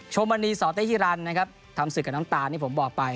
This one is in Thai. โชมณีสตธิรันดิ์ทำศึกกับน้ำตาลผมบอกไป